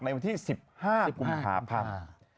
ในวันที่๑๕กุมภาพันธ์